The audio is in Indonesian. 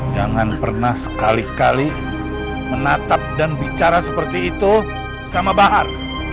jangan pernah sekali kali menatap dan bicara seperti itu sama bahar